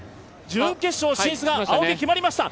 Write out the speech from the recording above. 準決勝進出が青木、決まりました。